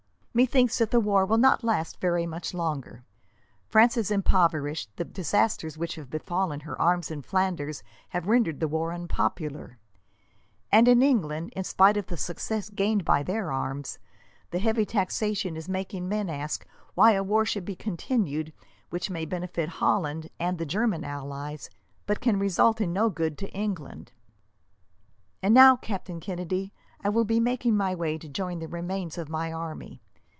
"Methinks that the war will not last very much longer. France is impoverished, the disasters which have befallen her arms in Flanders have rendered the war unpopular, and in England, in spite of the success gained by their arms, the heavy taxation is making men ask why a war should be continued which may benefit Holland, and the German allies, but can result in no good to England. "And now, Captain Kennedy, I will be making my way to join the remains of my army.